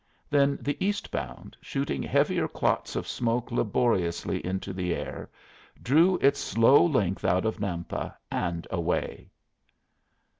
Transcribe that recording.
Then the east bound, shooting heavier clots of smoke laboriously into the air, drew its slow length out of Nampa, and away.